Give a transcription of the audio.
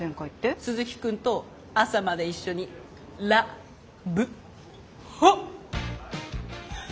鈴木くんと朝まで一緒にラブホ。